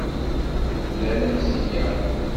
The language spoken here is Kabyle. Mebla lemzeyya.